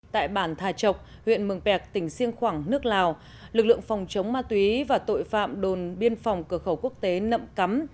tại bản thà chọc huyện mường pẹc tỉnh siêng khoảng nước lào lực lượng phòng chống ma túy và tội phạm đồn biên phòng cửa khẩu quốc tế nậm cắm